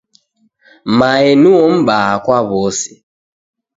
Mae nuo m'baa kwa w'ose.